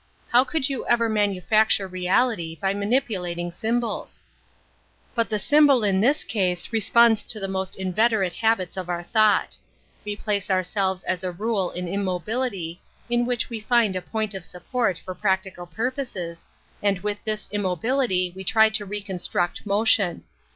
How could you ever manufacture_j!eality_bjmanipuiating symbols? But the symbol in this case responds to the most inveterate habits of our thought, We place ourselves as a rule in immobility, in which we find a point of support for practical purpo.ses, and with this immo bility we try to reconstruct motion.